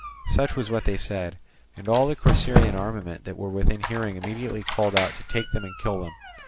Such was what they said, and all the Corcyraean armament that were within hearing immediately called out to take them and kill them.